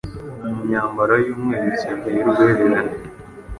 mu myamabaro y’umweru cyane y’urwererane